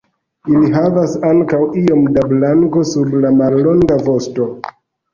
Ili havas ankaŭ iom da blanko sub la mallonga vosto.